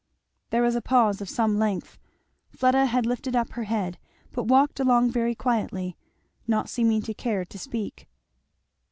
'" There was a pause of some length. Fleda had lifted up her head, but walked along very quietly, not seeming to care to speak.